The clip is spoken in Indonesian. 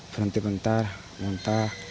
berhenti bentar muntah